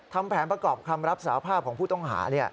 ทำแผนประกอบคำรับสาภาพของผู้ต้องหา